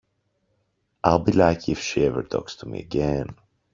I'll be lucky if she even talks to me again.